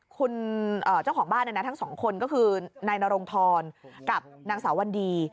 คุณเจ้าของบ้านทั้งสองคนก็คือนายนรงธรกับนางสาววันดี